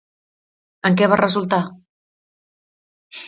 En què va resultar?